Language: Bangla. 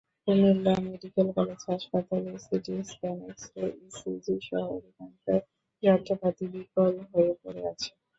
কুমিল্লা মেডিকেল কলেজ হাসপাতালে সিটিস্ক্যান, এক্স-রে, ইসিজিসহ অধিকাংশ যন্ত্রপাতি বিকল হয়ে পড়ে আছে।